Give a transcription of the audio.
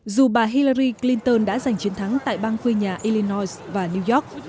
dù bà hillary clinton đã giành chiến thắng tại bang quê nhà illinois và new york